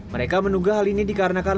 mereka menduga hal ini dikarenakan